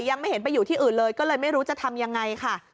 ยังไม่เห็นไปอยู่ที่อื่นเลยก็เลยไม่รู้จะทำยังไงค่ะ